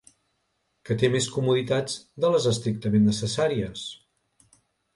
Que té més comoditats de les estrictament necessàries.